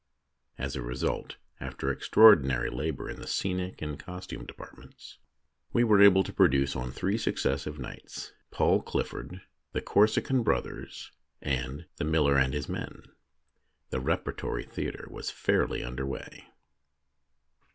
As a result, after extraordi 4:4 THE DAY BEFORE YESTERDAY nary labour in the scenic and costume departments, we were able to produce, on three successive nights, " Paul Clifford," "The Corsican Brothers," and "The Miller and his Men." The repertory theatre was fairly under way.